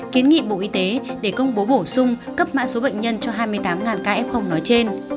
kiến nghị bộ y tế để công bố bổ sung cấp mã số bệnh nhân cho hai mươi tám ca f nói trên